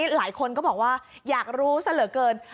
หลายคนก็บอกว่าอยากรู้ซะเหลือเกิน